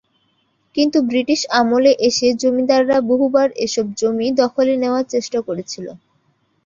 কিন্তু ব্রিটিশ আমলে এসে জমিদাররা বহুবার এসব জমি দখলে নেওয়ার চেষ্টা করেছিল।